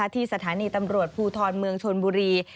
ที่สถานีตำรวจภูทรเมืองชนบุรี